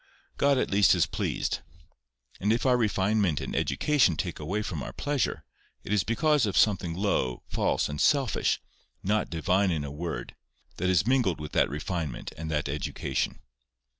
God at least is pleased: and if our refinement and education take away from our pleasure, it is because of something low, false, and selfish, not divine in a word, that is mingled with that refinement and that education.